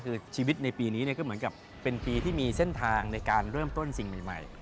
คือชีวิตในปีนี้ก็เหมือนกับเป็นปีที่มีเส้นทางในการเริ่มต้นสิ่งใหม่